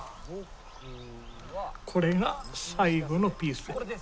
これが最後のピースです。